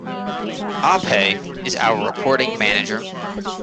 Abhay is our reporting manager.